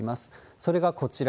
それがこちら。